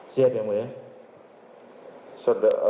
siap yang boleh